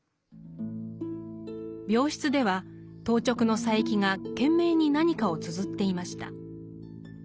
病室では当直の佐柄木が懸命に何かをつづっていました。